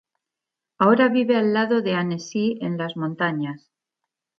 Ahora vive al lado de Annecy en las montañas.